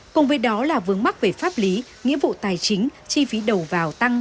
cùng với đó là vướng mắc về pháp lý nghĩa vụ tài chính chi phí đầu vào tăng